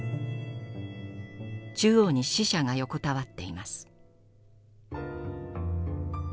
中央に死者が横たわっています。